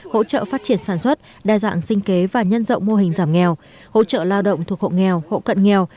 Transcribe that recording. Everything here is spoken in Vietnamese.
hỗ trợ phát triển sản xuất đa dạng sinh kế và nhân rộng mô hình giảm nghèo hỗ trợ lao động thuộc hộ nghèo hộ cận nghèo